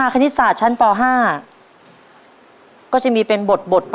คณิตศาสตร์ป๕ครับ